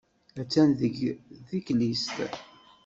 Attan deg teklizt.